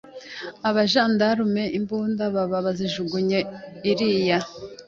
Abajandarume imbunda baba bazijugunye iriya